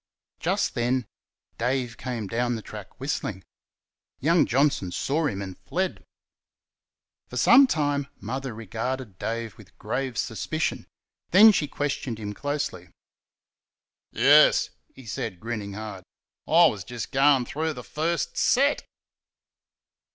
Just then Dave came down the track whistling. Young Johnson saw him and fled. For some time Mother regarded Dave with grave suspicion, then she questioned him closely. "Yairs," he said, grinning hard, "I was goin' through th' FUST SET."